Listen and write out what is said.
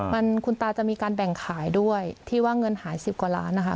มันคุณตาจะมีการแบ่งขายด้วยที่ว่าเงินหาย๑๐กว่าล้านนะคะ